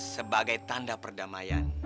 sebagai tanda perdamaian